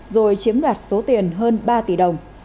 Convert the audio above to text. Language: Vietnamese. rồi chiếm đoạt số tiền hơn ba tỷ đồng